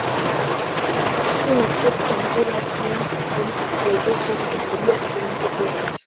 hii ni fursa nzuri ya kutumia sauti kuwezesha teknolojia kutumikia kila mtu.